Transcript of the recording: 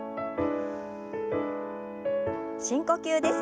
深呼吸です。